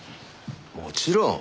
もちろん。